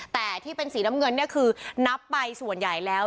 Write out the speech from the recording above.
แต่ที่เป็นสีน้ำเงินเนี่ยคือนับไปส่วนใหญ่แล้ว